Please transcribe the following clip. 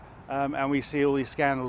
dan kita melihat semua skandal